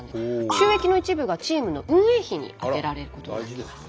収益の一部がチームの運営費に充てられることになっています。